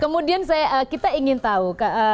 kemudian kita ingin tahu